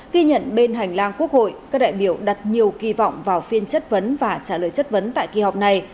ghi nhận bên hành lang quốc hội các đại biểu đặt nhiều kỳ vọng vào phiên chất vấn và trả lời chất vấn tại kỳ họp này